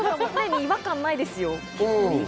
違和感ないですよ。